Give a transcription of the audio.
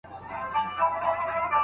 د زوجينو څخه کوم يو ځانګړی دی؟